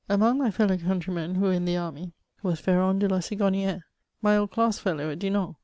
Among my fellow oonntrymen who were in the army was Ferron de la Sigoni^re, my old class fellow at Dinan.